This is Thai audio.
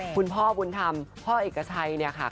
คุณพ่อบุญธรรมเพ้าเหตุกศัตรูเอกชัยค่ะ